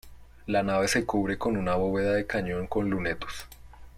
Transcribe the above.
La nave se cubre con una bóveda de cañón con lunetos.